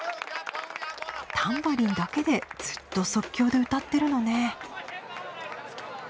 タンバリンだけでずっと即興で歌ってるのね。